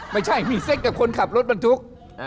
ไม่ใช่มีเศษกับคนขับรถมันถูก